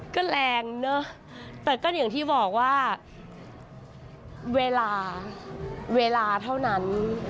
ก็แรงเนอะแต่ก็อย่างที่บอกว่าเวลาเวลาเท่านั้น